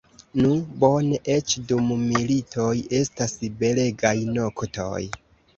Nu, bone, eĉ dum militoj estas belegaj noktoj.